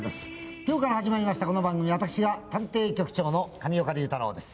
今日から始まりましたこの番組私が探偵局長の上岡龍太郎です。